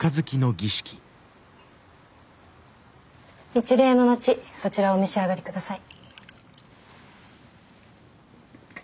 一礼の後そちらをお召し上がり下さい。